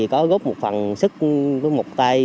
có góp một phần sức một tay